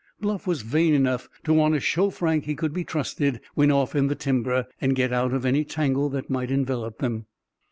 Bluff was vain enough to want to show Frank he could be trusted when off in the timber, and get out of any tangle that might envelop them.